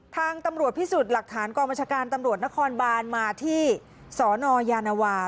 ทางตำรวจพิสูจน์หลักฐานกองบัญชาการตำรวจนครบานมาที่สนยานวา